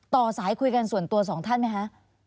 ต่อสายคุยกันส่วนตัวสองท่านไหมคะ